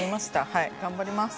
はい頑張ります。